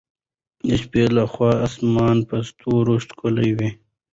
د شپې له خوا اسمان په ستورو ښکلی وي.